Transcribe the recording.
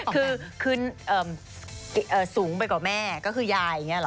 คือคืนสูงไปกว่าแม่ก็คือยายอย่างนี้หรอ